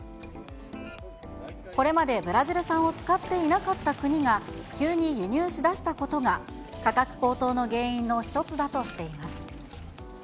これまでブラジル産を使っていなかった国が、急に輸入しだしたことが、価格高騰の原因の一つだとしています。